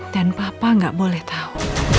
dan papa gak boleh tahu